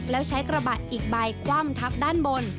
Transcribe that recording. แล้วใช้กระบะอีกใบคว่ำทับด้านบน